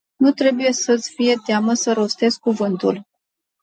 Nu trebuie să-mi fie teamă să rostesc cuvântul...